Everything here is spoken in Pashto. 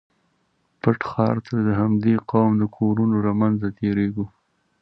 پټ ښار ته د همدې قوم د کورونو له منځه تېرېږو.